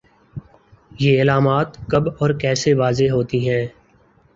یہ علامات کب اور کیسے واضح ہوتی ہیں